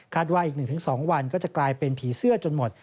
ขาดว่าอีก๑๒วันก็จะเป็นผีเสื้อจนหมด